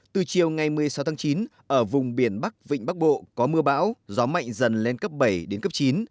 từ chiều ngày một mươi sáu tháng chín ở vùng biển bắc vịnh bắc bộ có mưa bão gió mạnh dần lên cấp bảy đến cấp chín